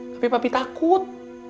tapi papi takut